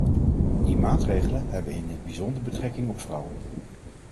Die maatregelen hebben in het bijzonder betrekking op vrouwen.